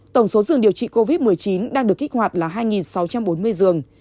tổng số giường điều trị covid một mươi chín đang được kích hoạt là hai sáu trăm bốn mươi giường